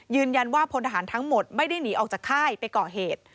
ยืนยันว่าผลทหารทั้งหมดไม่ได้หนีออกจากค่ายไปเกาะเหตุ